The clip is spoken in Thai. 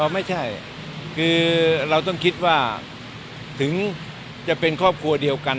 ไม่ใช่คือเราต้องคิดว่าถึงจะเป็นครอบครัวเดียวกัน